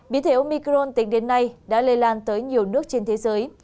biến thể omicron tính đến nay đã lây lan tới nhiều nước trên thế giới